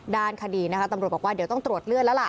ด้านคดีนะคะตำรวจบอกว่าเดี๋ยวต้องตรวจเลือดแล้วล่ะ